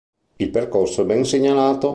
Il percorso è ben segnalato.